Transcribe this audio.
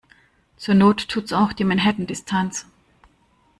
Zur Not tut's auch die Manhattan-Distanz.